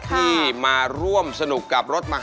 ที่มาร่วมสนุกกับรถมันกัน